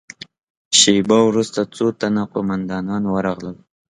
شېبه وروسته څو تنه قوماندانان ورغلل.